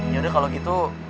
yaudah kalau gitu